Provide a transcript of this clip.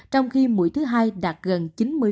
trong khi mũi thứ hai đạt gần chín mươi